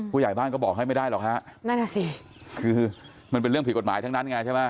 ผู้ใหญ่บ้านก็บอกให้ไม่ได้หรอกฮะนั่นน่ะสิคือมันเป็นเรื่องผิดกฎหมายทั้งนั้นไงใช่ไหม